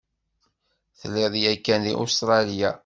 Telliḍ yakan deg Ustṛalya?